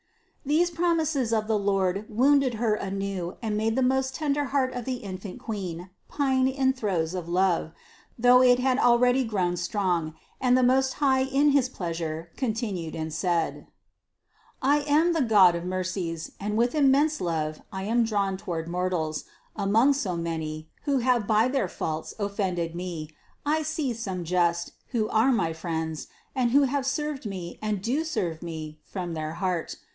These promises of the Lord wounded Her anew and made the most tender heart of the infant Queen pine in throes of love, though it had already grown strong; and the Most High in his pleasure continued and said : "I am the God of mercies and with immense love I am drawn toward mortals; among so many, who have by their faults offended Me, I see some just, who are my friends and who have served Me and do serve Me from their heart.